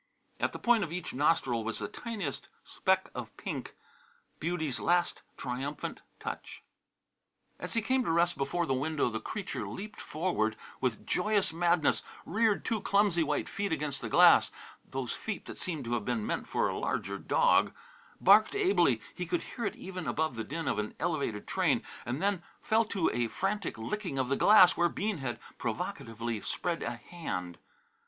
At the point of each nostril was the tiniest speck of pink, Beauty's last triumphant touch. As he came to rest before the window the creature leaped forward with joyous madness, reared two clumsy white feet against the glass (those feet that seemed to have been meant for a larger dog), barked ably he could hear it even above the din of an elevated train and then fell to a frantic licking of the glass where Bean had provocatively spread a hand.